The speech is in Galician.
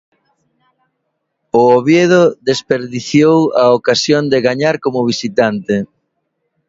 O Oviedo desperdiciou a ocasión de gañar como visitante.